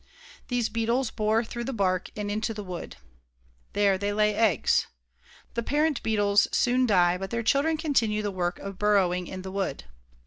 These beetles bore through the bark and into the wood. There they lay eggs. The parent beetles soon die but their children continue the work of burrowing in the wood.